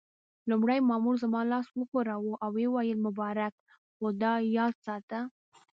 لومړي مامور زما لاس وښوراوه او ويې ویل: مبارک، خو دا یاد ساته.